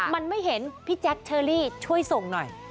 มันไม่เห็นพี่แจ๊คเชอรี่ช่วยส่งหน่อย